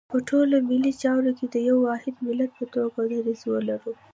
په ټولو ملي چارو کې د یو واحد ملت په توګه دریځ ولرو.